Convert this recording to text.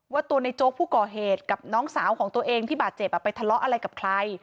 ตัวในโจ๊กผู้ก่อเหตุกับน้องสาวของตัวเองที่บาดเจ็บไปทะเลาะอะไรกับใคร